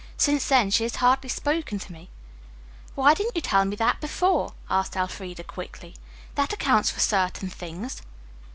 Since then she has hardly spoken to me." "Why didn't you tell me that before?" asked Elfreda quickly. "That accounts for certain things."